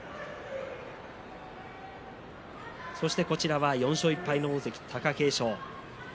そして４勝１敗の大関貴景勝。